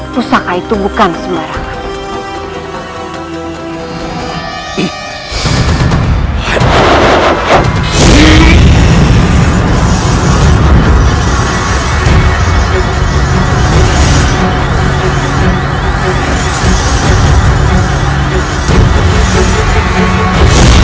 pusaka itu bukan sembarangan